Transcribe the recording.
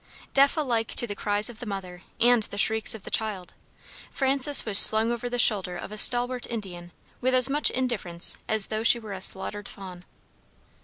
Deaf alike to the cries of the mother, and the shrieks of the child, Frances was slung over the shoulder of a stalwart Indian with as much indifference as though she were a slaughtered fawn.